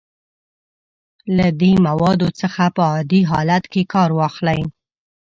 له دې موادو څخه په عادي حالت کې کار واخلئ.